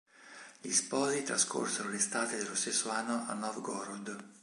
Gli sposi trascorsero l'estate dello stesso anno a Novgorod.